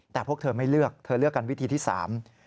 แต่พวกเธอไม่เลือกเธอเลือกกันวิธีที่สาม